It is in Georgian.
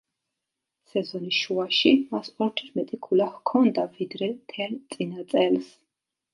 სეზონის შუაში მას ორჯერ მეტი ქულა ჰქონდა, ვიდრე მთელ წინა წელს.